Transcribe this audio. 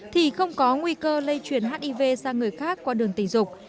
thì không có nguy cơ lây chuyển hiv sang người khác qua đường tình dục